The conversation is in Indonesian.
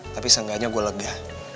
tapi seenggaknya gue lega